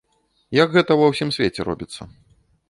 Як гэта ва ўсім свеце робіцца.